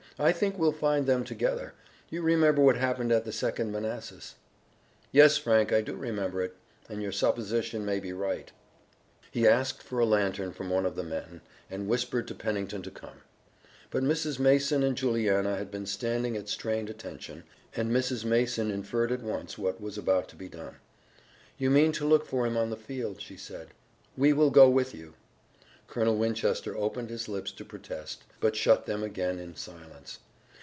I think we'll find them together. You remember what happened at the Second Manassas." "Yes, Frank, I do remember it, and your supposition may be right." He asked a lantern from one of the men, and whispered to Pennington to come. But Mrs. Mason and Juliana had been standing at strained attention, and Mrs. Mason inferred at once what was about to be done. "You mean to look for him on the field," she said. "We will go with you." Colonel Winchester opened his lips to protest, but shut them again in silence.